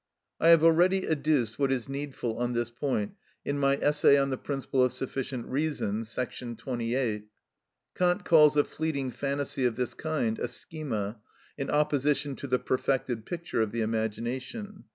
I have already adduced what is needful on this point in my essay on the principle of sufficient reason, § 28. Kant calls a fleeting phantasy of this kind a schema, in opposition to the perfected picture of the imagination.